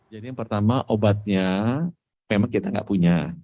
jadi yang pertama obatnya memang kita nggak punya